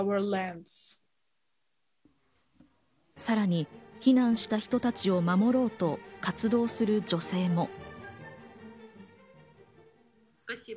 さらに避難した人たちを守ろうと活動する女性も。